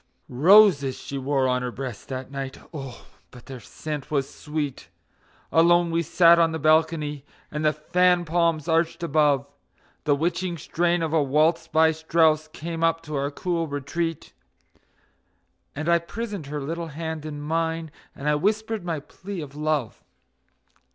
Roses she wore on her breast that night. Oh, but their scent was sweet! Alone we sat on the balcony, and the fan palms arched above; The witching strain of a waltz by Strauss came up to our cool retreat, And I prisoned her little hand in mine, and I whispered my plea of love.